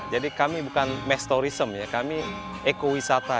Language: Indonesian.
jadi kami bukan mestorism kami ekowisata